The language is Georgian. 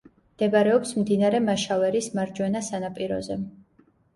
მდებარეობს მდინარე მაშავერის მარჯვენა სანაპიროზე.